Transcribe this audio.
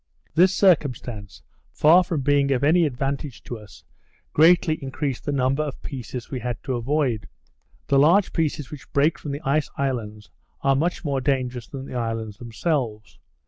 This circumstance, far from being of any advantage to us, greatly increased the number of pieces we had to avoid. The large pieces which break from the ice islands, are much more dangerous than the islands themselves.